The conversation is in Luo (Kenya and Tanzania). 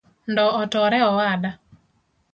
Ndoo otore owada